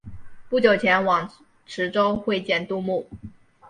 不久前往池州会见杜牧。